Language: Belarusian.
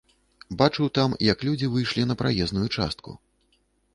Бачыў там, як людзі выйшлі на праезную частку.